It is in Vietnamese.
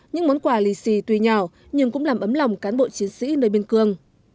những món quà lì xì tùy nhỏ nhưng cũng làm ấm lòng cán bộ chiến sĩ nơi bên cương